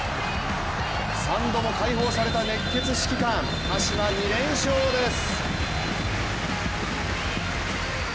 ３度も解放された熱血指揮官鹿島２連勝です。